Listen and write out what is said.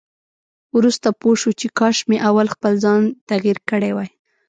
وروسته پوه شو چې کاش مې اول خپل ځان تغيير کړی وای.